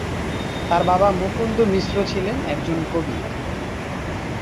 তার বাবা মুকুন্দ মিশ্র ছিলেন একজন কবি।